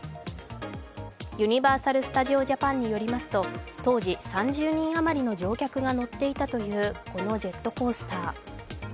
ユニバーサル・スタジオ・ジャパンによりますと、当時３０人余りの乗客が乗っていたというこのジェットコースター。